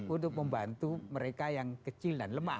untuk membantu mereka yang kecil dan lemah